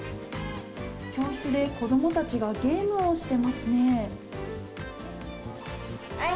教室で子どもたちがゲームをしてますね。